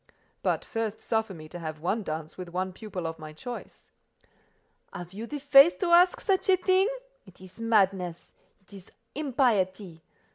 "But first suffer me to have one dance with one pupil of my choice." "Have you the face to ask such a thing? It is madness: it is impiety.